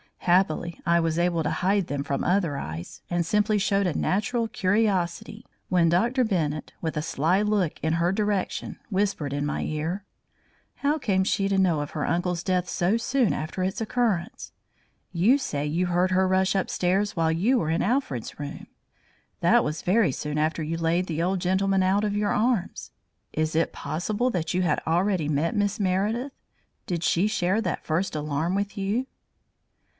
Happily, I was able to hide them from other eyes, and simply showed a natural curiosity when Dr. Bennett, with a sly look in her direction, whispered in my ear: "How came she to know of her uncle's death so soon after its occurrence? You say you heard her rush upstairs while you were in Alfred's room. That was very soon after you laid the old gentleman out of your arms. Is it possible that you had already met Miss Meredith? Did she share that first alarm with you?"